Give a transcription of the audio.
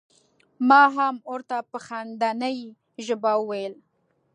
ما هم ور ته په خندنۍ ژبه وویل.